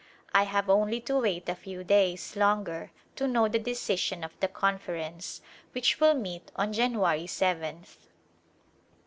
I have only to wait a few days longer to know the decision of the Conference, which will meet on January 7th.